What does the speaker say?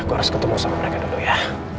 gue harus ketemu sama mereka dulu ya